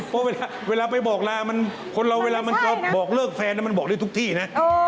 เพราะเวลาไปบอกลามันคนเราเวลามันจะบอกเลิกแฟนมันบอกได้ทุกที่นะ